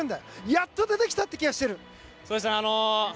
やっと出てきたという気がしてる！